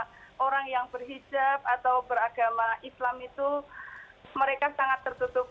karena orang yang berhijab atau beragama islam itu mereka sangat tertutup